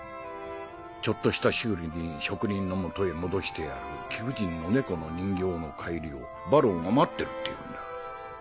ちょっとした修理に職人の元へ戻してある貴婦人のネコの人形の帰りをバロンは待ってるって言うんだ。